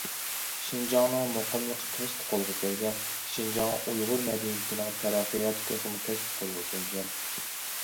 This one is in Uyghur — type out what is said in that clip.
شىنجاڭنىڭ مۇقىملىقى تەستە قولغا كەلگەن، شىنجاڭ ئۇيغۇر مەدەنىيىتىنىڭ تەرەققىياتى تېخىمۇ تەستە قولغا كەلگەن.